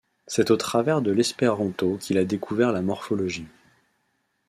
C'est au travers de l'espéranto qu'il a découvert la morphologie.